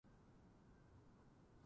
しんどい課題だ